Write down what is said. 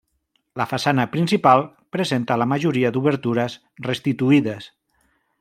La façana principal presenta la majoria d'obertures restituïdes.